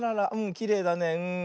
きれいだね。